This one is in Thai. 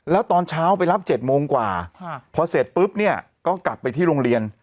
แล้วตอนเช้าไปรับ๗โมงกว่าพอเสร็จปุ๊บเนี่ยก็กลับไปที่โรงเรียน